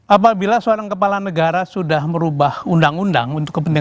apabila seorang kepala negara sudah merubah undang undang untuk kepentingan